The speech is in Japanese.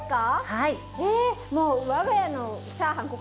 はい。